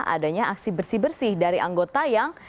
adanya aksi bersih bersih dari anggota yang